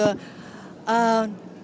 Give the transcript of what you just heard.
apa itu apa